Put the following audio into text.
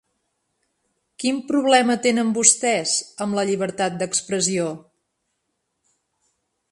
Quin problema tenen vostès amb la llibertat d’expressió?